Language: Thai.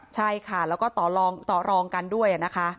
ใช่ค่ะแล้วก็ต่อรองกันด้วยนะคะ